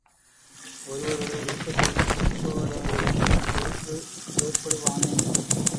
ஒருவருடைய விருப்பத்துடன் ஒத்துப் போகாதவர்களிடம் வெறுப்பு ஏற்படுவானேன்?